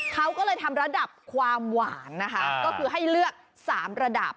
เขาก็เลยทำระดับความหวานนะคะก็คือให้เลือก๓ระดับ